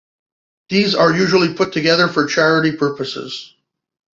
These are usually put together for charity purposes.